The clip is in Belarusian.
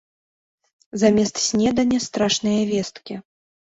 Замест снедання страшныя весткі.